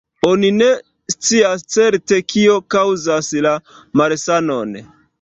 Oni ne scias certe, kio kaŭzas la malsanon.